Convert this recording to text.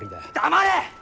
黙れ！